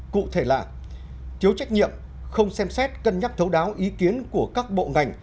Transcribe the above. cụ thể là thiếu trách nhiệm không xem xét cân nhắc thấu đáo ý kiến của các bộ ngành